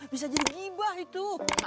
bisa jadi gibah itu